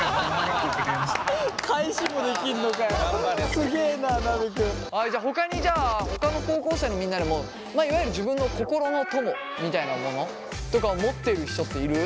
はいほかにじゃあほかの高校生のみんなにもいわゆる自分の心の友みたいなモノとかを持ってる人っている？